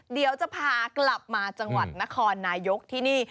เดี๋ยวจะพากลับมาจังหวัดนครนายกที่นี่